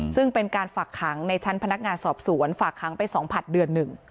ซึ่งเป็นการฝากขังในชั้นพนักงานสอบสวนฝากขังไป๒ผลัดเดือนหนึ่ง